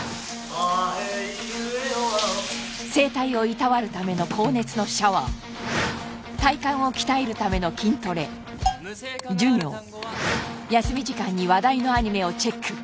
おあお声帯をいたわるための高熱のシャワー体幹を鍛えるための筋トレ授業休み時間に話題のアニメをチェック